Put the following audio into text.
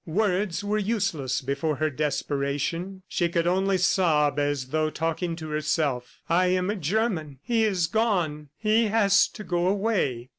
Words were useless before her desperation. She could only sob as though talking to herself, "I am a German. ... He has gone; he has to go away.